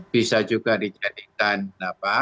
bisa juga dijadikan apa